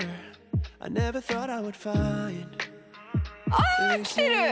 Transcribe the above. あ来てる！